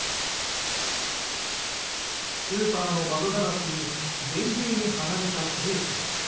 スーパーの窓ガラスに厳重に貼られたテープ。